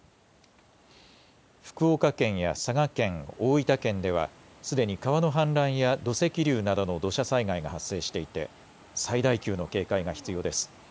福岡県や佐賀県、大分県では、すでに川の氾濫や土石流などの土砂災害が発生していて、最大級の警戒が必要です。